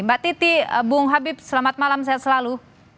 mbak titi bung habib selamat malam sehat selalu